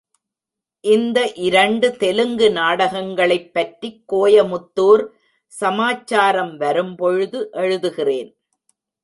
இந்த இரண்டு தெலுங்கு நாடகங்களைப்பற்றிக் கோயமுத்தூர் சமாச்சாரம் வரும் பொழுது எழுதுகிறேன்.